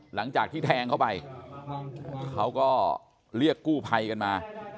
หลังจากที่แทงเข้าไปเขาก็เรียกกู้ภัยกันมา